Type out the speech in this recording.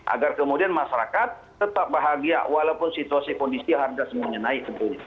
agar kemudian masyarakat tetap bahagia walaupun situasi kondisi harga semuanya naik tentunya